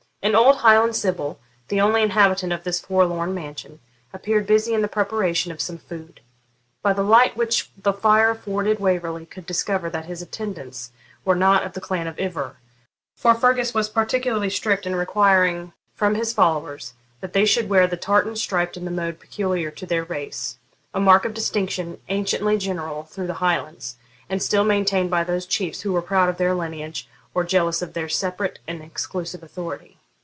An old Highland sibyl, the only inhabitant of this forlorn mansion, appeared busy in the preparation of some food. By the light which the fire afforded Waverley could discover that his attendants were not of the clan of Ivor, for Fergus was particularly strict in requiring from his followers that they should wear the tartan striped in the mode peculiar to their race; a mark of distinction anciently general through the Highlands, and still maintained by those Chiefs who were proud of their lineage or jealous of their separate and exclusive authority.